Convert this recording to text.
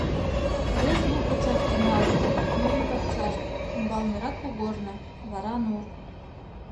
Вес лук гычак тӱҥалын — нунын пакчашт, умбалнырак кугорно, вара нур.